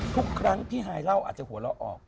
ทุกครั้งพี่ฮายเล่าอาจจะหัวเราะออก